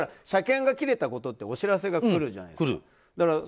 車検が切れたことってお知らせが来るじゃないですか。